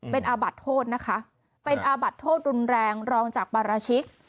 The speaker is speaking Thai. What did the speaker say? เป็นอาบัดโทษนะคะเป็นอาบัดโทษรุนแรงรองจากปราชิก